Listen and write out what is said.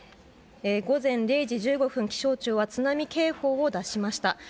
午前０時１５分気象庁は津波警報を出しました。